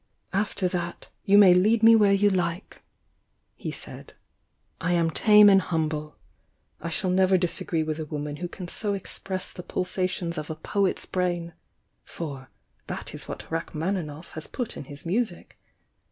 "After that, you may lead me where you like!" he said. "I am tame and humble! I shall never dis agree with a woman who can so express the pulsa tions of a poet's brain, — for that is what Rachmani noff has put in his music.